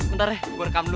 bentar deh gue rekam dulu